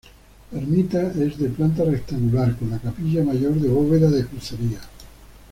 La ermita es de planta rectangular, con la capilla mayor de bóveda de crucería.